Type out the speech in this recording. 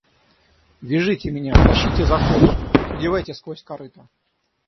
Вяжите меня! тащите за косу! продевайте сквозь корыто!